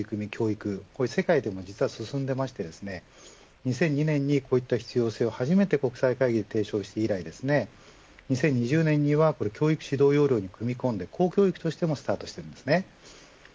実は日本は、こういったＳＤＧｓの取り組み世界でも実は進んでいて２００２年にこういった必要性を初めて国際会議で提唱して以来２０２０年には教育指導要領に組み込んで公教育としてもスタートしています。